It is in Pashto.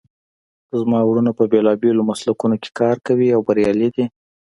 زما وروڼه په بیلابیلو مسلکونو کې کار کوي او بریالي دي